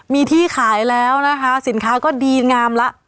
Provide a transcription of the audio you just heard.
มีที่ขายแล้วนะคะสินค้าก็ดีงามละ